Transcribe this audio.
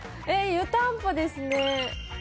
湯たんぽですね。